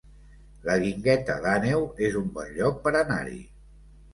La Guingueta d'Àneu es un bon lloc per anar-hi